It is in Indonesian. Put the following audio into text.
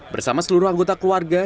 bersama seluruh anggota keluarga